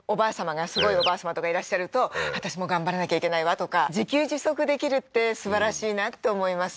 すごいおばあさまとかいらっしゃると「私も頑張らなきゃいけないわ」とか自給自足できるってすばらしいなって思います